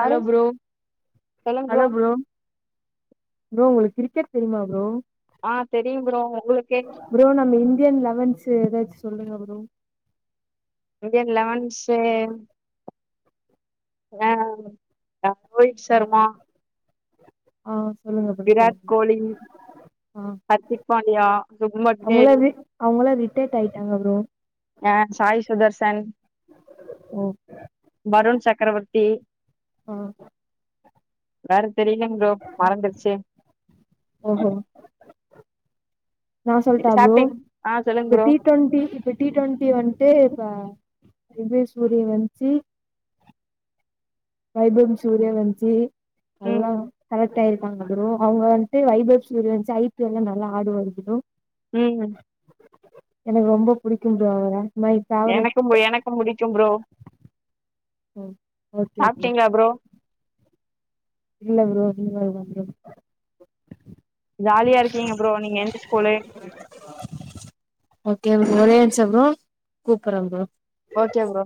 hello bro hello bro bro உங்களுக்கு cricket தெரியுமா bro ஆ தெரியு ப்ரோ உங்குளுக்கு கேட்ச்சு ப்ரோ நம்ம இந்தியன் லெவன்ஸ்சு எதாச்சு சொல்லுங்க ப்ரோ இந்தியன் லெவன்ஸு ஆ அ ரோஹித் சர்மா ஆ சொல்லுங்க ப்ரோ விராட் சொல்லுங்க கோலி ஆ ஹர்திக் பாண்டியா சுக்மன் கில் அவுங்களா ரிட்டேர்ட் ஆயிட்டாங்க ப்ரோ ஆ சாய் சுதர்சன் ஓ வருண் சக்கரவர்த்தி [unintelligible] வேற தெரியலைங்க ப்ரோ மறந்துருச்சு ஓஹோ நா சொல்டா ப்ரோ சாப்ட்டீங் ஆ சொல்லுங்க இப்ப ப்ரோ டீ டொண்டி இப்ப டி டொண்டி வந்த்ட்டு இப்ப உதய சூரியன் வன்ச்சு வைபவன் சூரிய வன்ச்சி ம் எல்லா செலெக்ட் ஆயிருக்காங்க ப்ரோ அவுங்க வந்த்ட்டு வைபௌ சூரியன் வெச்சு ஐ பி எல் லா நல்லா ஆடு வாரு ப்ரோ உம் எனக்கு ரொம்போ புடிக்கோ ப்ரோ அவர மை ஃபேவரட் எனக்கும் எனக்கும் புடிக்கும் ப்ரோ ம் ஓகே ஓகே ப்ரோ இல்ல ப்ரோ இனிமேல்தா ப்ரோ ஜாலியா இருக்கீங்க ப்ரோ நீங்க எந்த ஸ்கூலு ஓகே ப்ரோ ஒரே நிம்ஸோ ப்ரோ கூப்புர்ற ப்ரோ ஓகே ப்ரோ